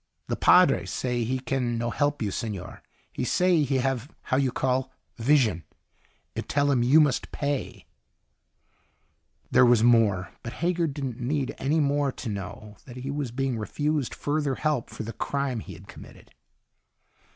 "The padre say he no can help you, senor. He say he have how you call vision. It tell him you must pay." There was more. But Hager didn't need any more to know that he was being refused further help for the crime he had committed.